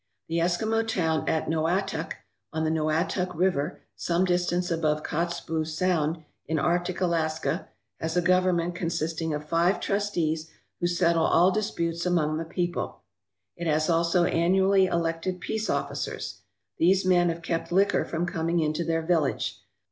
The Eskimo town at Noatak, on the Noatak River, some distance above Kotzebue Sound in Arctic Alaska, has a government consisting of five trustees who settle all disputes among the people. It has also annually elected peace officers. These men have kept liquor from coming into their village.